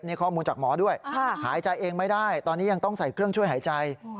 นี่ข้อมูลจากหมอด้วยหายใจเองไม่ได้ตอนนี้ยังต้องใส่เครื่องช่วยหายใจ